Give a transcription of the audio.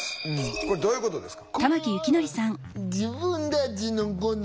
これどういうことですか？